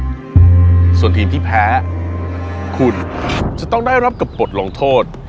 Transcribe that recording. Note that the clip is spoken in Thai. ผู้ชนะส่วนทีมที่แพ้คุณจะต้องได้รับกับปฏิลองค์โทษ